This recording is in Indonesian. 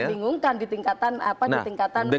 masih membingungkan di tingkatan apa